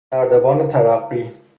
نردبان ترقی